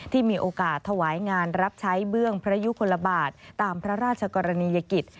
ที่มีโอกาสถวายงานรับใช้เบื้องพระยุคลบาทตามพระราชกรณียกิจ